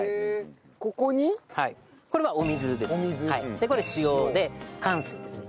でこれ塩でかんすいですね。